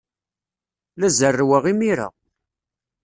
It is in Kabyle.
La zerrweɣ imir-a.